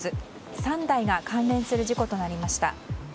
３台が関連する事故となりました。